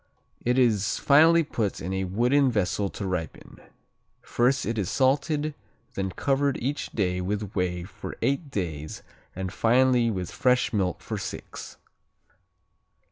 It is finally put in a wooden vessel to ripen. First it is salted, then covered each day with whey for eight days and finally with fresh milk for six.